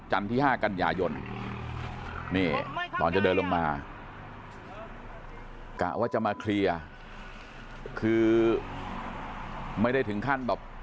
ที่๕กันยายนนี่ตอนจะเดินลงมากะว่าจะมาเคลียร์คือไม่ได้ถึงขั้นแบบ